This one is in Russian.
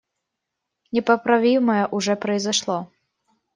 Непоправимое уже произошло.